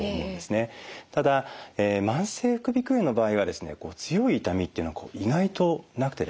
ただ慢性副鼻腔炎の場合はですね強い痛みっていうのは意外となくてですね